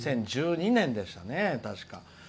２０１２年でしたね、確か。